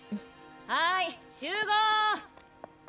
はい集合！